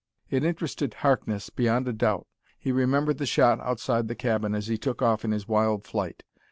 It interested Harkness, beyond a doubt. He remembered the shot outside the cabin as he took off in his wild flight.